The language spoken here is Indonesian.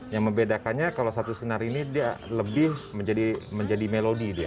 yang membedakannya kalau satu sinar ini dia lebih menjadi melodi dia